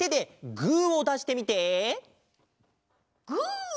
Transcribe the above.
グー！